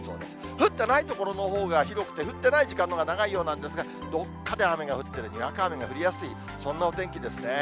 降ってない所のほうが広くて、降ってない時間のほうが長いようなんですが、どっかで雨が降って、にわか雨が降りやすい、そんなお天気ですね。